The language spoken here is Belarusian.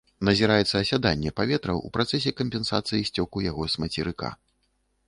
Назіраецца асяданне паветра ў працэсе кампенсацыі сцёку яго з мацерыка.